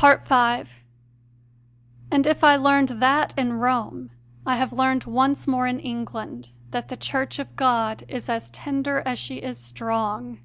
5. And if I learned that in Rome, I have learned once more in England that the Church of God is as tender as she is strong.